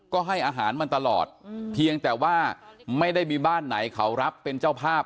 ก็ให้อาหารมันตลอดเพียงแต่ว่าไม่ได้มีบ้านไหนเขารับเป็นเจ้าภาพ